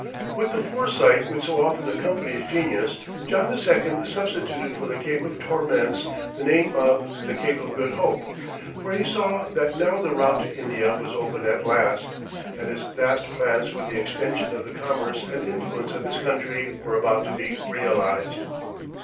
With the foresight which so often accompanies genius, John II. substituted for the "Cape of Torments," the name of the "Cape of Good Hope," for he saw that now the route to India was open at last, and his vast plans for the extension of the commerce and influence of his country were about to be realized.